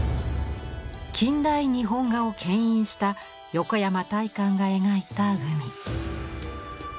近代日本画をけん引した横山大観が描いた海。